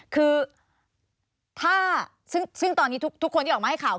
คือถ้าซึ่งตอนนี้ทุกคนที่ออกมาให้ข่าว